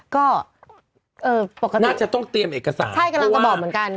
ก็ปกติน่าจะต้องเตรียมเอกสารใช่กำลังจะบอกเหมือนกัน